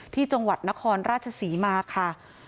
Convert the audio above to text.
ที่จังหวัดนครราชศรีมาค่ะ